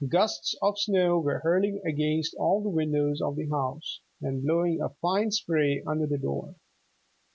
Gusts of snow were hurling against all the windows of the house, and blowing a fine spray under the door.